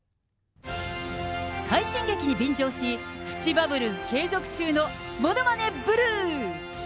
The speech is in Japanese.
快進撃に便乗し、プチバブル継続中のものまねブルー。